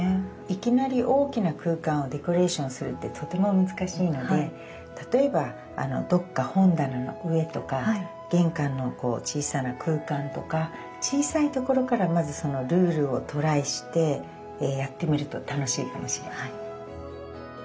いきなり大きな空間をデコレーションするってとても難しいので例えばどっか本棚の上とか玄関の小さな空間とか小さいところからまずそのルールをトライしてやってみると楽しいかもしれない。